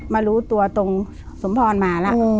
มารู้ตัวตรงสมภรณ์มาแล้วอ๋อ